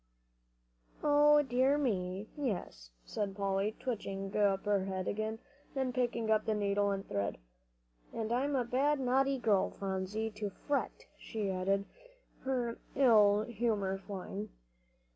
"O dear me, yes," said Polly, twitching up her head again, and picking up the needle and thread. "And I'm a bad, naughty girl, Phronsie, to fret," she added, her ill humor flying.